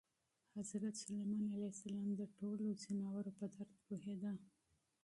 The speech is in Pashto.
حضرت سلیمان علیه السلام د ټولو حیواناتو په درد پوهېده.